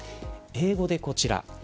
英語でこちら。